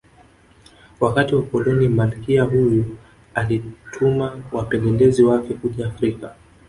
Wakati wa Ukoloni Malkia huyu alituma wapelelezi wake kuja Afrika